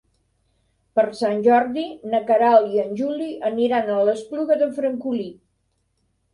Per Sant Jordi na Queralt i en Juli aniran a l'Espluga de Francolí.